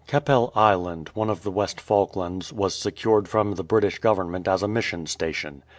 Keppel Island, one of the West Falklands, was secured from the British Govern ment as a mission station.